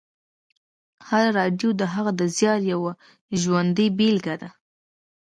هره راډیو د هغه د زیار یوه ژوندۍ بېلګې ده